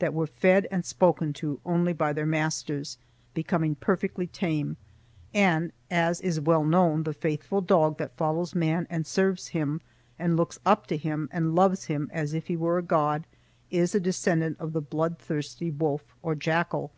that were fed and spoken to only by their masters, becoming perfectly tame; and, as is well known, the faithful dog that follows man and serves him, and looks up to him and loves him as if he were a god, is a descendant of the blood thirsty wolf or jackal.